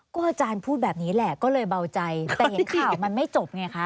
อาจารย์พูดแบบนี้แหละก็เลยเบาใจแต่เห็นข่าวมันไม่จบไงคะ